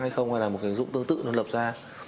hay không hay là một cái ứng dụng tương tự nó lập ra